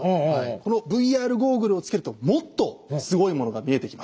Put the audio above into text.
このＶＲゴーグルをつけるともっとすごいものが見えてきます。